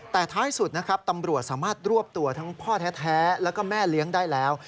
แต่ท้ายสุดนะครับตำรวจสามารถรวบตัวทั้งพ่อแท้แล้วก็แม่เลี้ยงได้แล้ว